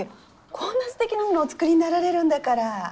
こんなすてきなものお作りになられるんだから。